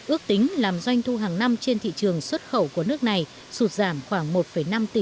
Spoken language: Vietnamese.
ước tính làm doanh thu hàng năm trên thị trường xuất khẩu của nước này sụt giảm khoảng một năm tỷ usd